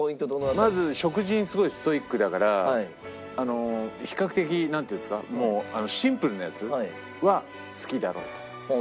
まず食事にすごいストイックだから比較的なんていうんですかもうシンプルなやつは好きだろうというのは思います。